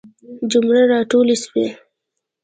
جمله را ټوله سوي.